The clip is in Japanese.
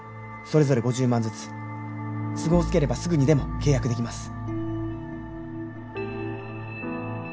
それぞれ５０万ずつ都合つければすぐにでも契約できます。